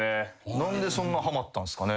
何でそんなハマったんすかね？